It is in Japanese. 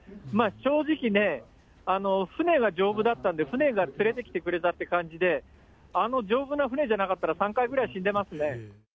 正直ね、船が丈夫だったんで、船が連れて来てくれたという感じで、あの丈夫な船じゃなかったら、３回ぐらい死んでますね。